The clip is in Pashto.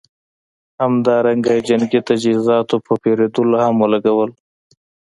همدارنګه یې جنګي تجهیزاتو په پېرودلو هم ولګول.